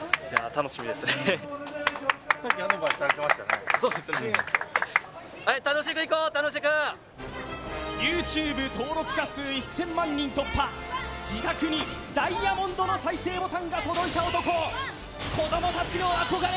楽しくＹｏｕＴｕｂｅ登録者数１０００万人突破自宅にダイヤモンドの再生ボタンが届いた男子供達の憧れ